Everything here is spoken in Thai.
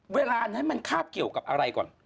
เวลานั้นมันคาบเกี่ยวกับอะไรก่อน